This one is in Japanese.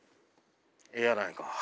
ええやないか。